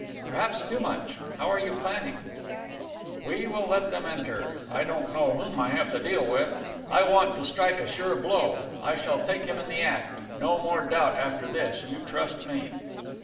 "Perhaps too much. How are you planning?" "We will let them enter. I don't know whom I have to deal with. I want to strike a sure blow. I shall take him in the act. No more doubt after this, you trust me."